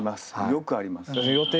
よくあります。